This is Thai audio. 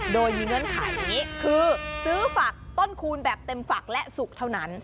โดยมีเงื่อนไขนี้คือซื้อฝักต้นคูณแบบเต็มฝักและสุกเท่านั้น